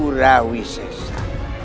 dan raden surawi sesang